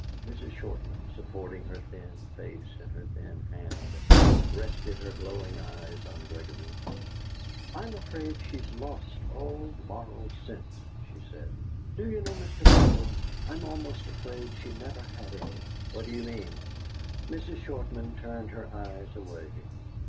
Mrs. Shortman, supporting her thin face in her thin hand, rested her glowing eyes on Gregory. "I'm afraid she has lost all moral sense," she said. "Do you know, Mr. Vigil, I'm almost afraid she never had any!" "What do you mean?" Mrs. Shortman turned her eyes away.